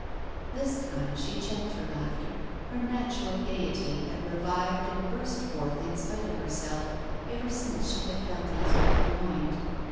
This time she checked her laughter, her natural gaiety that revived and burst forth in spite of herself ever since she had felt easier in mind.